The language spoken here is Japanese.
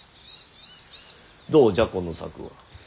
どうじゃこの策は。